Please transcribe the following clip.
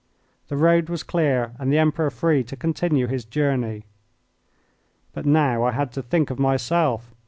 The road was clear and the Emperor free to continue his journey. But now I had to think of myself.